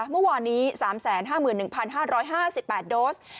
เมื่อวานนี้๓๕๑๕๕๘โดส